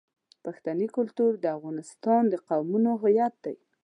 پښتني کلتور د افغانستان د قومونو هویت دی.